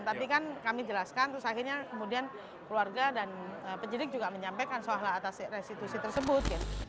tapi kan kami jelaskan terus akhirnya kemudian keluarga dan penyidik juga menyampaikan soal atas restitusi tersebut